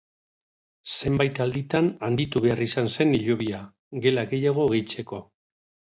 Zenbait alditan handitu behar izan zen hilobia, gela gehiago gehitzeko.